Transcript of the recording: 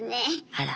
あら。